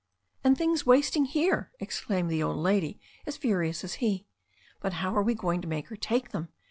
"And things wasting here!" exclaimed the old lady, as furious as he. "But how are we going to make her take them